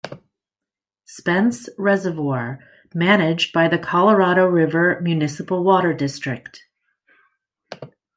Spence Reservoir, managed by the Colorado River Municipal Water District.